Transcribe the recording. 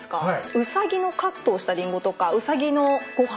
ウサギのカットをしたリンゴとかウサギのご飯。